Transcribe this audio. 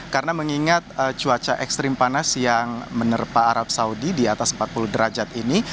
karena mengingat cuaca ekstrim panas yang menerpa arab saudi di atas empat puluh derajat ini